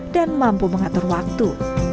dan mampu mengatur waktu